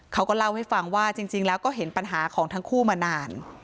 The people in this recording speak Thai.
เขาก็เล่าให้ฟังว่าจริงแล้วก็เห็นปัญหาของทั้งคู่มานาน